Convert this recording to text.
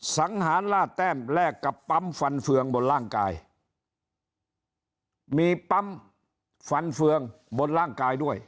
สังหารล่าแต้มแลกกับปั๊มฟันเฟืองบนร่างกายมีปั๊มฟันเฟืองบนร่างกายด้วย